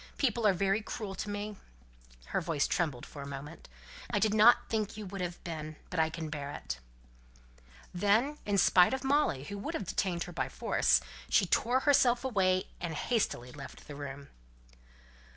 People are very cruel to me" her voice trembled for a moment "I did not think you would have been. But I can bear it." And then, in spite of Molly, who would have detained her by force, she tore herself away, and hastily left the room.